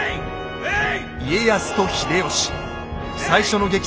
はい。